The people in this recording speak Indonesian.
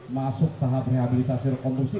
masuk tahap rehabilitasi rekondusi